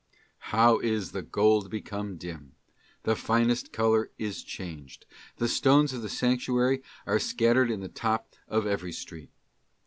* 'Howis the gold become dim, the finest colour is changed, the stones of the sanctuary are scattered in the top of every street.